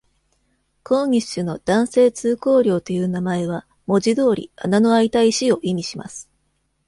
コーニッシュの「男性通行料」という名前は、文字通り「穴の開いた石」を意味します。